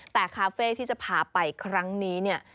แต่คาเฟ่ที่จะพาไปครั้งนี้เนี่ย